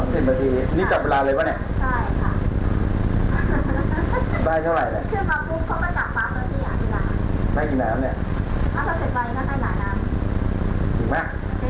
ถึงไหมโอเคถ้าเกิดช้าเข้าหมดนะได้น้ำดี